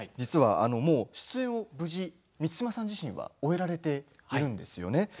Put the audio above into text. もう出演を満島さん自身は終えられているんですよね。